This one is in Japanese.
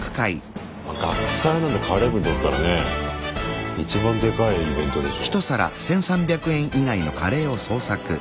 学祭なんてカレー部にとったらね一番でかいイベントでしょ。